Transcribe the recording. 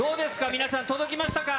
皆さん届きましたか？